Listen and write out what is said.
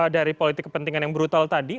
dari politik kepentingan yang brutal tadi